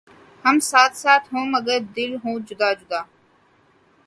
ھم ساتھ ساتھ ہوں مگر دل ہوں جدا جدا